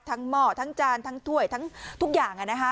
หม้อทั้งจานทั้งถ้วยทั้งทุกอย่าง